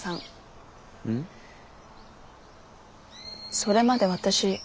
それまで私